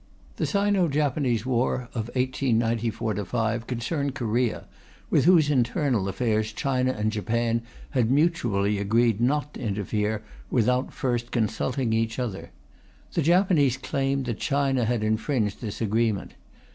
The Sino Japanese war of 1894 5 concerned Korea, with whose internal affairs China and Japan had mutually agreed not to interfere without first consulting each other. The Japanese claimed that China had infringed this agreement.